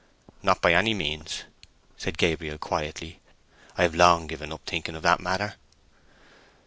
"Not by any means," said Gabriel quietly. "I have long given up thinking of that matter."